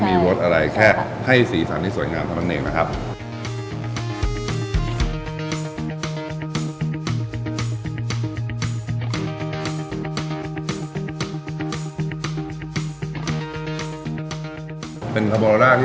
มีชีสสวบทางหน้านะครับ